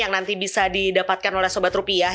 yang nanti bisa didapatkan oleh sobat rupiah